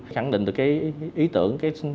khẳng định được cái ý tưởng cái